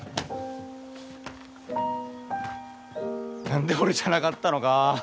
何で俺じゃなかったのか。